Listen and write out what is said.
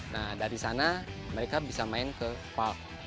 nah dari sana mereka bisa main ke park